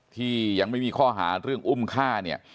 ที่ยังไม่มีข้อหาเรื่องอุ้มฆ่าเนี่ย